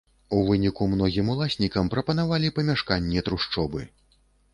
У выніку многім уласнікам прапанавалі памяшканні-трушчобы.